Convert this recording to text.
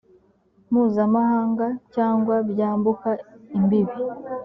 mpuzamahanga cyangwa byambuka imbibi